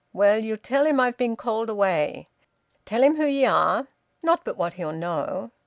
Well ye'll tell him I've been called away. Tell him who ye are. Not but what he'll know.